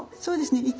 そうですね。